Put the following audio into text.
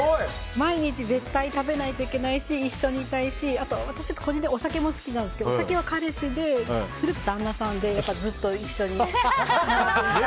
毎日絶対食べないといけないし一緒にいたいし個人的にお酒が好きなんですけどお酒は彼氏でフルーツは旦那さんでずっと一緒に。